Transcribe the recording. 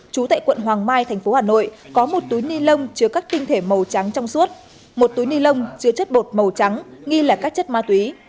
chú tại quận hoàng mai tp hcm có một túi ni lông chứa các tinh thể màu trắng trong suốt một túi ni lông chứa chất bột màu trắng nghi là các chất ma túy